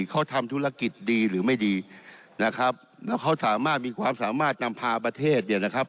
เขาทำธุรกิจดีหรือไม่ดีนะครับแล้วเขาสามารถมีความสามารถนำพาประเทศเนี่ยนะครับ